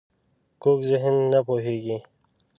کوږ ذهن نه پوهېږي